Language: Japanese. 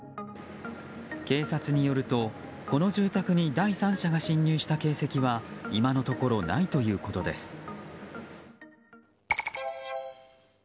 警察によると、この住宅に第三者が侵入した形跡は今のところないということです。